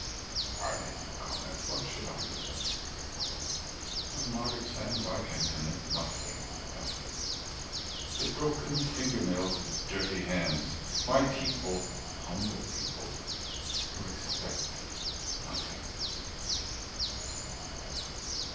I made no comment. What should I resent?" "On Margate Sands. 300 I can connect Nothing with nothing. The broken finger nails of dirty hands. My people humble people who expect Nothing."